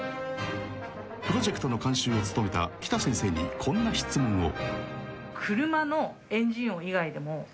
［プロジェクトの監修を務めた喜田先生にこんな質問を］